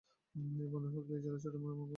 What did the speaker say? এই বন্দর হুগলী জেলার চুঁচুড়া মহকুমায় অবস্থিত।